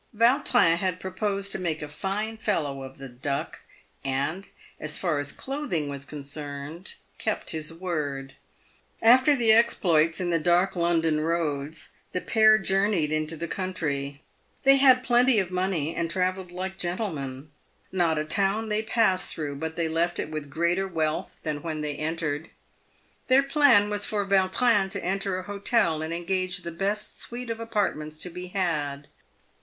Vautrin had promised to make a fine fellow of the Duck, and, as far as clothing was concerned, kept his word. After the exploits in the dark London roads, the pair journeyed into the country. They had plenty of money, and travelled like gentlemen. Not a town they passed through but they left it with greater wealth than when they entered. Their plan was for Yautrin to enter an hotel and engage the best suite of apartments to be had.